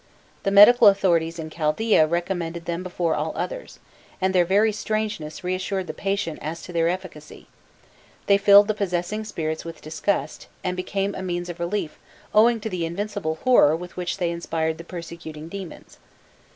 The medical authorities in Chaldaea recommended them before all others, and their very strangeness reassured the patient as to their efficacy: they filled the possessing spirits with disgust, and became a means of relief owing to the invincible horror with which they inspired the persecuting demons.